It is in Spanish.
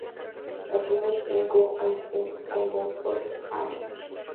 El primer single es "This Ain't a Game" con Bone Thugs-N-Harmony.